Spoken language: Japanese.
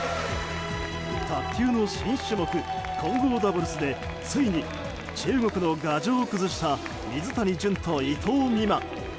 卓球の新種目混合ダブルスでついに中国の牙城を崩した水谷隼と伊藤美誠。